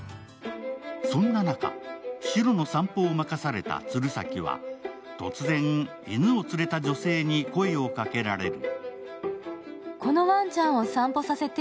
そんな中、シロの散歩を任された鶴崎は突然、犬を連れた女性に声をかけられる。